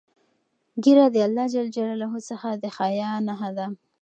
ږیره د الله جل جلاله څخه د حیا نښه ده.